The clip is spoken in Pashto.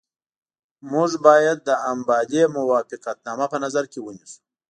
موږ باید د امبالې موافقتنامه په نظر کې ونیسو.